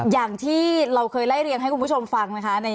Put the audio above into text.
อย่างที่เราเคยไล่เรียงให้คุณผู้ชมฟังนะคะ